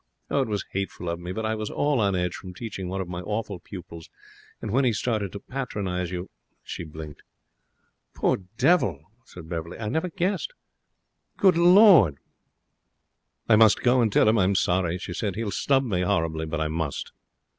Oh, it was hateful of me! But I was all on edge from teaching one of my awful pupils, and when he started to patronize you ' She blinked. 'Poor devil!' said Beverley. 'I never guessed. Good Lord!' Annette rose. 'I must go and tell him I'm sorry,' she said. 'He'll snub me horribly, but I must.'